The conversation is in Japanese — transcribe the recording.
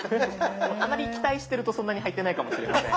あまり期待してるとそんなに入ってないかもしれません。